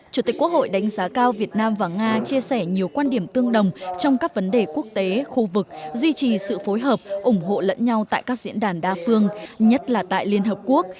chủ tịch quốc hội đánh giá cao việt nam và nga chia sẻ nhiều quan điểm tương đồng trong các vấn đề quốc tế khu vực duy trì sự phối hợp ủng hộ lẫn nhau tại các diễn đàn đa phương nhất là tại liên hợp quốc